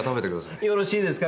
よろしいですか？